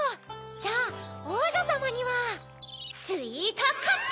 じゃあおうじょさまにはスイートカップ！